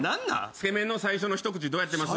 つけ麺の最初の一口どうやってます？